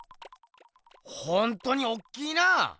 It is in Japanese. ほんとにおっきいな！